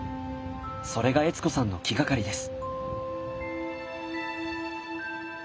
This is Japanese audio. それが悦子さんの気がかりです。